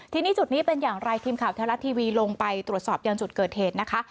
ทีนี้จุดนี้เป็นอย่างไรทีมข่าวไทยรัฐทีวีลงไปตรวจสอบยังจุดเกิดเหตุนะคะ